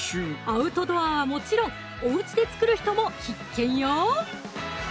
アウトドアはもちろんおうちで作る人も必見よ